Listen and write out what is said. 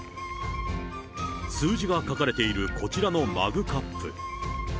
数字が書かれているこちらのマグカップ。